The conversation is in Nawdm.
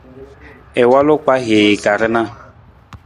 I walu kpahii ka rana.